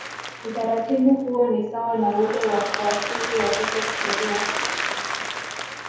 Utaratibu huo ni sawa na ule wa kuasili watoto kisheria